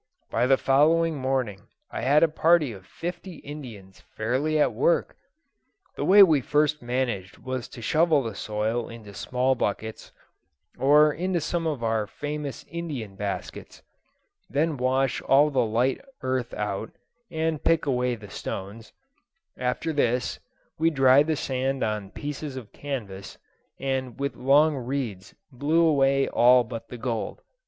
By the following morning I had a party of fifty Indians fairly at work. The way we first managed was to shovel the soil into small buckets, or into some of our famous Indian baskets; then wash all the light earth out, and pick away the stones; after this, we dried the sand on pieces of canvas, and with long reeds blew away all but the gold.